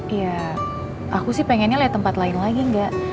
ya aku sih pengennya lihat tempat lain lagi nggak